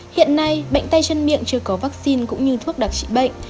hiện nay bệnh tay chân miệng chưa có vaccine cũng như thuốc đặc trị bệnh